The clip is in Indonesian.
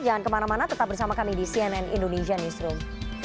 jangan kemana mana tetap bersama kami di cnn indonesia newsroom